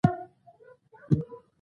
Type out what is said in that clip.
د هلمند په سنګین کې څه شی شته؟